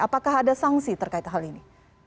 apakah ada sanksi terkait hal ini